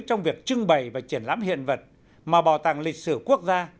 trong việc trưng bày và triển lãm hiện vật mà bảo tàng lịch sử quốc gia